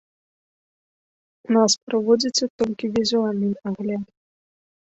У нас праводзіцца толькі візуальны агляд.